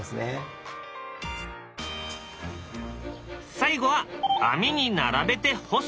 最後は網に並べて干す。